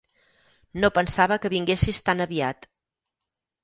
No pensava que vinguessis tan aviat.